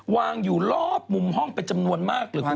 วางอยู่รอบมุมห้องเป็นจำนวนมากเลยคุณ